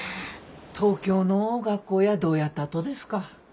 東京の学校やどうやったとですか。